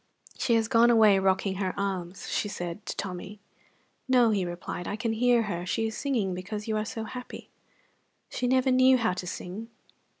"She has gone away rocking her arms," she said to Tommy. "No," he replied. "I can hear her. She is singing because you are so happy." "She never knew how to sing."